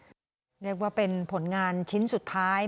เรียกว่าเป็นผลงานชิ้นสุดท้าย